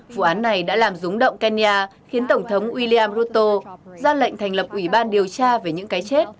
vụ án này đã làm rúng động kenya khiến tổng thống william rotto ra lệnh thành lập ủy ban điều tra về những cái chết